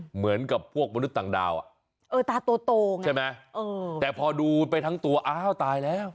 เหมือนกับพวกมนุษย์ต่างดาวอ่ะเออตาตัวโตใช่ไหมแต่พอดูไปทั้งตัวอ้าวตายแล้ว